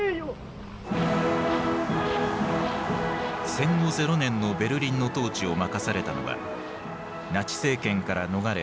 戦後ゼロ年のベルリンの統治を任されたのはナチ政権から逃れ